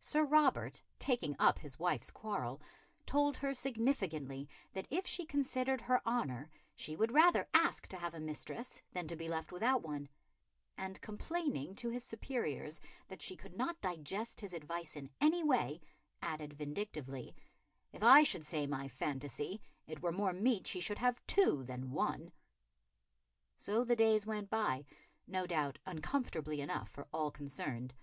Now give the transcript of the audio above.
Sir Robert, taking up his wife's quarrel, told her significantly that if she considered her honour she would rather ask to have a mistress than to be left without one; and, complaining to his superiors that she could not digest his advice in any way, added vindictively, "If I should say my phantasy, it were more meet she should have two than one." So the days went by, no doubt uncomfortably enough for all concerned.